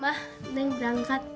mah neng berangkat